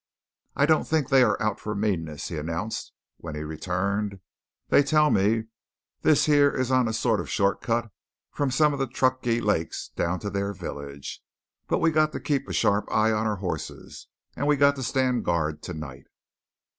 "I don't think they are out for meanness," he announced when he returned. "They tell me this yere is on a sort of short cut from some of the Truckee lakes down to their villages. But we got to keep a sharp eye on our horses; and we got to stand guard to night."